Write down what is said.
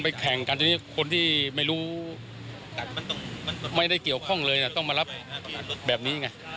แบบนี้ไง